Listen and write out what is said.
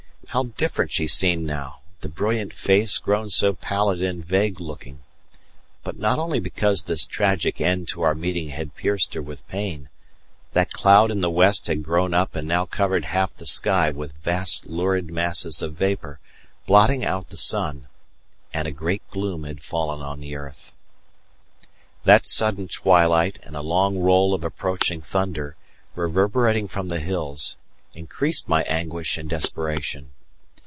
How different she seemed now; the brilliant face grown so pallid and vague looking! But not only because this tragic end to our meeting had pierced her with pain: that cloud in the west had grown up and now covered half the sky with vast lurid masses of vapour, blotting out the sun, and a great gloom had fallen on the earth. That sudden twilight and a long roll of approaching thunder, reverberating from the hills, increased my anguish and desperation.